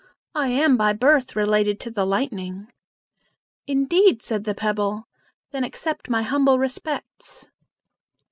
I am by birth related to the lightning." "Indeed!" said the pebble; "then accept my humble respects."